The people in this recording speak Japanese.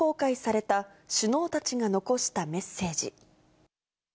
先月、一般公開された首脳たちが残したメッセージ。